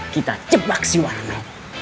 kita jebak si warno